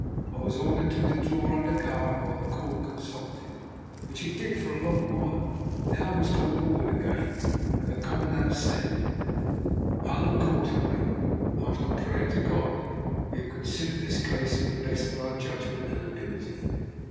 I was ordered to withdraw under guard, while the court consulted, which it did for a long while. Then I was called forward again and the commandant said: "Allan Quatermain, after prayer to God we have considered this case to the best of our judgment and ability.